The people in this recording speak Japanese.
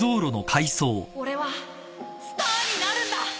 俺はスターになるんだ！